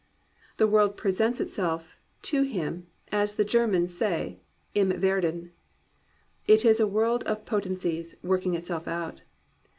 The world presents itself to him, as the Germans say, Im Werden. It is a world of potencies, working itself out.